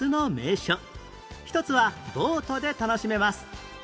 一つはボートで楽しめます